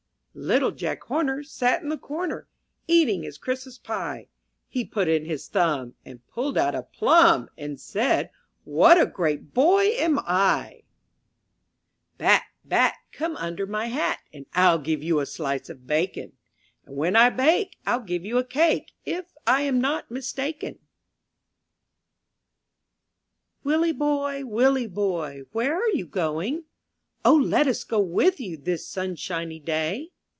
T ITTLE Jack Horner *—^ Sat in the corner, Eating his Christmas pie; He put in his thumb, And pulled out a plum, And said, "What a great boy am I !*' 27 MY BOOK HOUSE BAT, bat, come under my hat, And I'll give you a slice of bacon; And when I bake, rii give you a cake, If I am not mistaken. T\/^ILLIE boy, Willie boy, ^^ Where are you going? O, let us go with you. This sunshiny day.